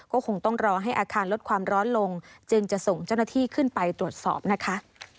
ก็คงต้องรอให้อาคารลดความร้อนลงจึงจะส่งเจ้าหน้าที่ขึ้นไปตรวจสอบนะคะ